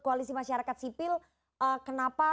koalisi masyarakat sipil kenapa